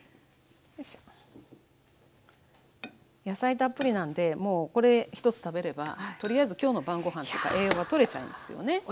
野菜たっぷりなんでもうこれ一つ食べればとりあえず今日の晩ごはんとか栄養がとれちゃいますよね。